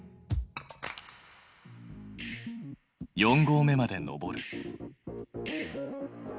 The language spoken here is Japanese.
四合目まで登る。